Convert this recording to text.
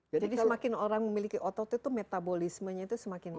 jadi semakin orang memiliki otot itu metabolismenya itu semakin bagus